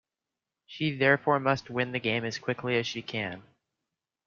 She therefore must win the game as quickly as she can.